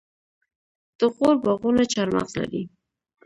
د غور باغونه چهارمغز لري.